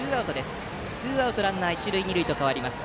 ツーアウトランナー一塁二塁と変わります。